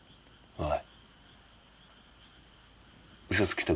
おい！